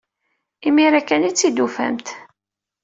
Imir-a kan ay tt-id-tufamt.